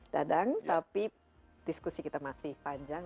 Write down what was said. dadang tapi diskusi kita masih panjang